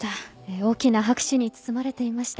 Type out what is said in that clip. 大きな拍手に包まれていました。